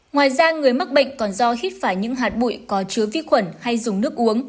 ngoài ra người mắc bệnh còn do hít phải những hạt bụi có chứa vi khuẩn hay dùng nước uống